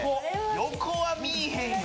横は見ぃへんよ。